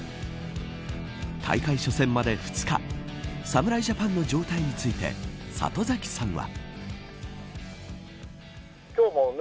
大会初戦まで２日侍ジャパンの状態について里崎さんは。